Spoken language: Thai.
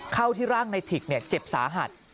เข้าที่ร่างในถิกเจ็บสาหัส